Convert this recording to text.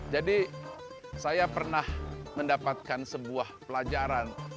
jadi saya pernah mendapatkan sebuah pelajaran